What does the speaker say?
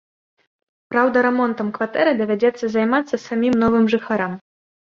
Праўда, рамонтам кватэры давядзецца займацца самім новым жыхарам.